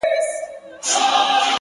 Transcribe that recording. • زمانه اوړي له هر کاره سره لوبي کوي,